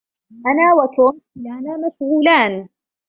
أنا وتوم كلانا مشغولان